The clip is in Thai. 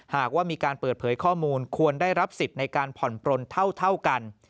หากว่ามีการเปิดเผยข้อมูลควรได้รับสิทธิ์ในการผ่อนปลนเท่ากัน